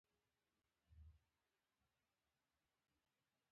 په تاجکستان کې د افغانستان سفارت